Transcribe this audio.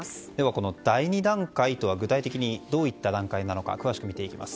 この第２段階とは具体的にどういった段階なのか詳しく見ていきます。